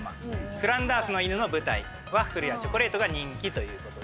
フランダースの犬の舞台、ワッフルやチョコレートが人気ということで。